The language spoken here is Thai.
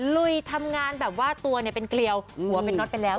ลุยทำงานแบบว่าตัวเนี่ยเป็นเกลียวหัวเป็นน็อตไปแล้ว